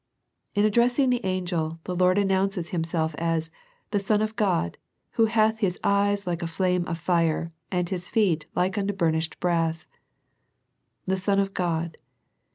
In addressing the angel, the Lord announces Himself as the " Son of God, Who hath His eyes like a flame of fire, and His feet are like unto burnished brass." " The Son of God."